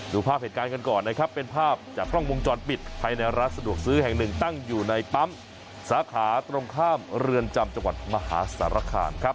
ภาพเหตุการณ์กันก่อนนะครับเป็นภาพจากกล้องวงจรปิดภายในร้านสะดวกซื้อแห่งหนึ่งตั้งอยู่ในปั๊มสาขาตรงข้ามเรือนจำจังหวัดมหาสารคามครับ